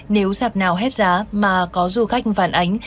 nếu sạp nào hết giá mà có du khách phản ánh